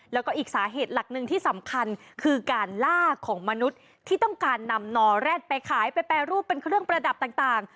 แล้วก็อีกสาเหตุหลักหนึ่งที่สำคัญคือการล่าของมนุษย์ที่ต้องการนำนอแร็ดไปขายไปแปรรูปเป็นเครื่องประดับต่าง